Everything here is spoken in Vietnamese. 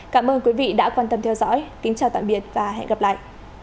cảm ơn quý vị đã quan tâm theo dõi kính chào tạm biệt và hẹn gặp lại